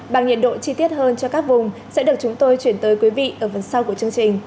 bằng nhiệt độ chi tiết hơn cho các vùng sẽ được chúng tôi chuyển tới quý vị ở phần sau của chương trình